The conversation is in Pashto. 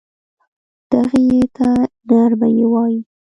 دغې ی ته نرمه یې وايي.